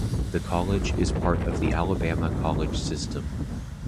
The college is part of the Alabama College System.